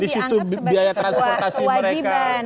di situ biaya transportasi mereka